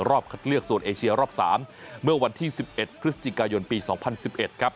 รอบคำเรียกส่วนเอเชียรอบสามเมื่อวันที่สิบเอ็ดพฤศจิกายนปีสองพันสิบเอ็ดครับ